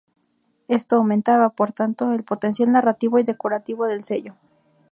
Esto aumentaba, por tanto, el potencial narrativo y decorativo del sello.